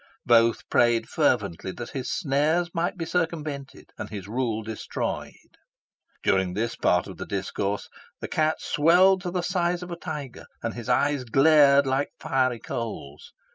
Both prayed fervently that his snares might be circumvented, and his rule destroyed. During this part of the discourse the cat swelled to the size of a tiger, and his eyes glowed like fiery coals.